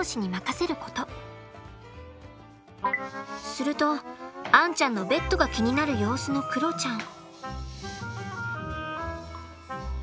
するとアンちゃんのベッドが気になる様子のクロちゃん。